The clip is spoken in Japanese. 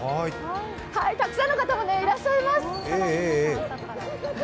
たくさんの方がいらっしゃいます。